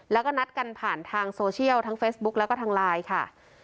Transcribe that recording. แล้วก็นัดกันผ่านทางโซเชียลทั้งเฟซบุ๊กแล้วก็ทางไลน์ค่ะ